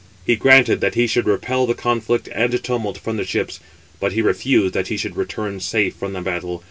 He granted that he should repel the conflict and tumult from the ships, but he refused that he should return safe from the battle.